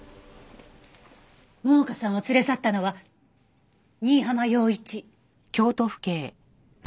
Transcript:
桃香さんを連れ去ったのは新浜陽一。